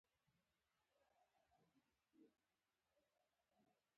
ځینې مشران د ناسم دودونو د ختمولو پر ځای هغوی ساتي.